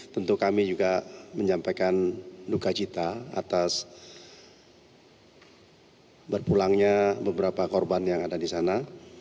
tentu kami juga menyampaikan duka cita atas berpulangnya beberapa korban yang ada di sana